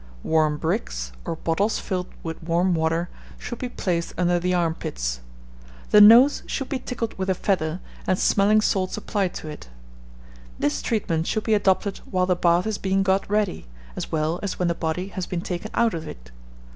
Warm bricks, or bottles filled with warm water, should be placed under the armpits. The nose should be tickled with a feather, and smelling salts applied to it. This treatment should be adopted while the bath is being got ready, as well as when the body has been taken out of it.